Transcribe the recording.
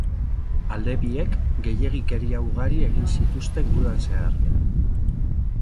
Alde biek gehiegikeria ugari egin zituzten gudan zehar.